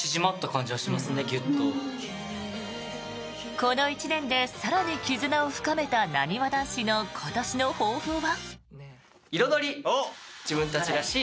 この１年で更に絆を深めたなにわ男子の今年の抱負は。